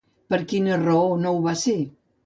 Per quina raó no ho va ser?